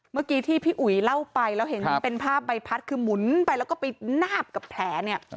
เมื่อกี้ที่พี่อุ๋ยเล่าไปแล้วเห็นเป็นภาพใบพัดคือหมุนไปแล้วก็ไปนาบกับแผลเนี่ย